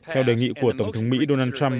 theo đề nghị của tổng thống mỹ donald trump